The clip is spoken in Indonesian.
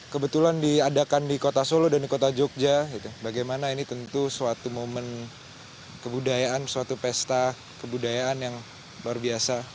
kebetulan diadakan di kota solo dan di kota jogja bagaimana ini tentu suatu momen kebudayaan suatu pesta kebudayaan yang luar biasa